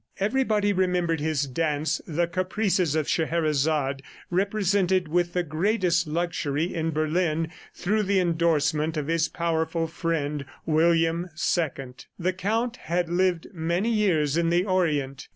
Everybody remembered his dance, "The Caprices of Scheherazade," represented with the greatest luxury in Berlin through the endorsement of his powerful friend, William II. The Count had lived many years in the Orient.